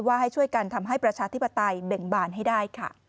ให้ช่วยกันทำให้ประชาธิปไตยเบ่งบานให้ได้ค่ะ